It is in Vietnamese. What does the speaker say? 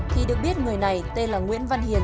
thì được biết người này tên là nguyễn văn hiền